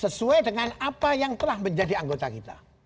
sesuai dengan apa yang telah menjadi anggota kita